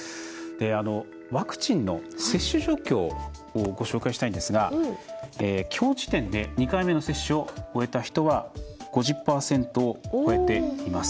ワクチンの接種状況をご紹介したいんですがきょう時点で２回目の接種を終えた人は５０％を超えています。